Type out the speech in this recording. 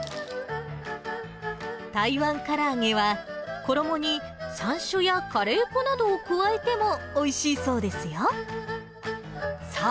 台湾から揚げは、衣にさんしょうやカレー粉などを加えてもおいしいそうですよ。